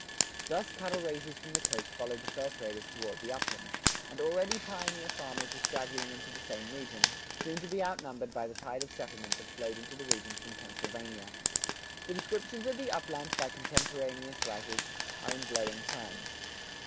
Thus cattle raisers from the coast followed the fur traders toward the uplands, and already pioneer farmers were straggling into the same region, soon to be outnumbered by the tide of settlement that flowed into the region from Pennsylvania. The descriptions of the uplands by contemporaneous writers are in glowing terms.